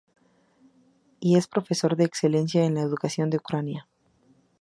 Y, es profesor de excelencia en la Educación de Ucrania.